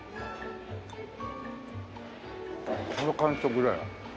この感触だよ。